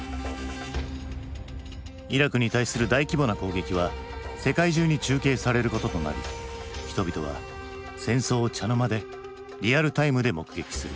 イラクに対する大規模な攻撃は世界中に中継されることとなり人々は戦争を茶の間でリアルタイムで目撃する。